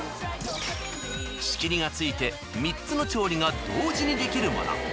仕切りがついて３つの調理が同時にできるもの。